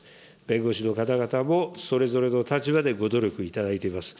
弁護士の方々もそれぞれの立場でご努力いただいています。